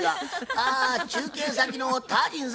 あ中継先のタージンさん